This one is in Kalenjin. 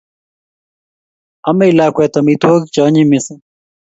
Amei lakwet amitwogik che anyiny mising